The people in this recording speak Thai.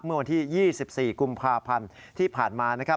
เมื่อวันที่๒๔กุมภาพันธ์ที่ผ่านมานะครับ